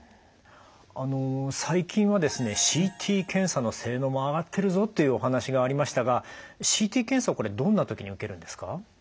あの最近はですねＣＴ検査の性能も上がってるぞというお話がありましたがＣＴ検査はこれどんな時に受けるんですか？